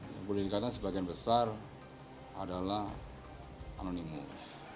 yang boleh dikatakan sebagian besar adalah anonimum